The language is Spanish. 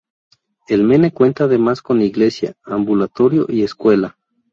El Mene cuenta además con iglesia, ambulatorio y escuela.